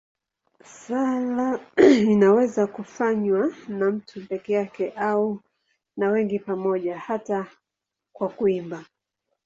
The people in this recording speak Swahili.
Sala inaweza kufanywa na mtu peke yake au na wengi pamoja, hata kwa kuimba.